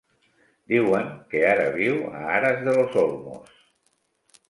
Diuen que ara viu a Aras de los Olmos.